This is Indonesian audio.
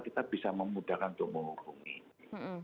kita bisa memudahkan jum'u hukum ini